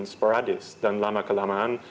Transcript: sporadis dan lama kelamaan